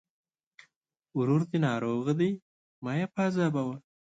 ورور دې ناروغه دی! مه يې پاذابوه.